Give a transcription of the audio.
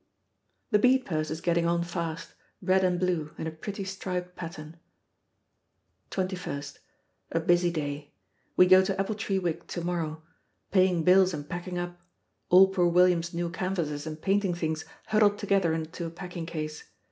The bead purse is getting on fast. Red and blue, in a pretty striped pattern. 21st. A busy day. We go to Appletreewick to morrow. Paying bills and packing up. All poor William's new canvases and painting things huddled together into a packing case.